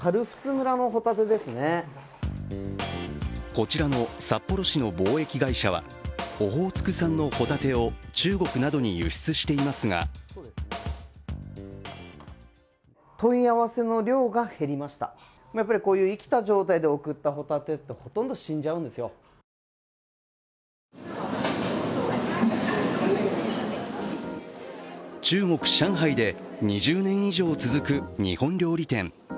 こちらの札幌市の貿易会社はオホーツク産のほたてを中国などに輸出していますが中国・上海で２０年以上続く日本料理店。